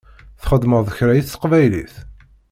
Txedmeḍ kra i teqbaylit?